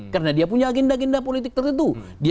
karena dia punya agenda agenda politik tertentu